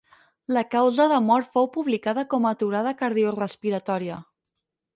La causa de mort fou publicada com aturada cardiorespiratòria.